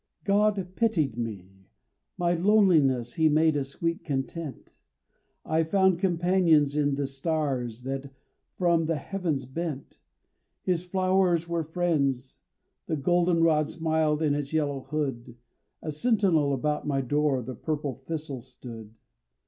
God pitied me, my loneliness He made a sweet content; I found companions in the stars That from the heavens bent; His flowers were friends, the golden rod Smiled in its yellow hood, A sentinel about my door The purple thistle stood.